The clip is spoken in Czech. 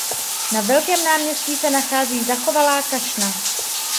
Na velkém náměstí se nachází zachovalá kašna.